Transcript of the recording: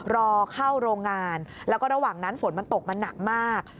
รอเข้าโรงงานแล้วก็ระหว่างนั้นฝนมันตกมันหนักมาก